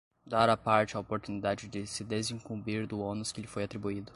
dar à parte a oportunidade de se desincumbir do ônus que lhe foi atribuído.